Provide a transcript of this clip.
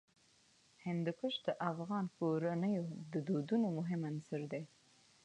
هندوکش د افغان کورنیو د دودونو مهم عنصر دی.